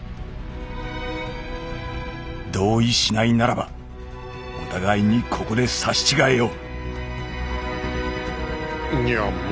「同意しないならばお互いにここで刺し違えよう」。